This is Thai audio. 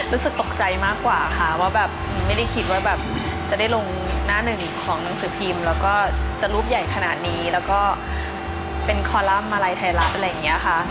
รู้สึกตกใจมากกว่าค่ะว่าแบบไม่ได้คิดว่าแบบจะได้ลงหน้าหนึ่งของหนังสือพิมพ์แล้วก็จะรูปใหญ่ขนาดนี้แล้วก็เป็นคอลัมป์มาลัยไทยรัฐอะไรอย่างนี้ค่ะ